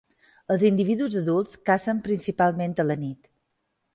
Els individus adults cacen principalment a la nit.